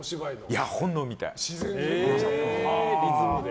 いや、本能みたい。